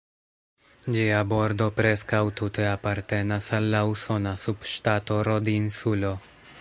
Ĝia bordo preskaŭ tute apartenas al la usona subŝtato Rod-Insulo.